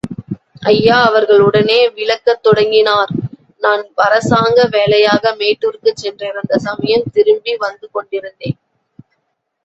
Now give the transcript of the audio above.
ஐயா அவர்கள் உடனே விளக்கத் தொடங்கினார் நான் அரசாங்க வேலையாக மேட்டூருக்குச் சென்றிருந்த சமயம் திரும்பி வந்துகொண்டிருந்தேன்.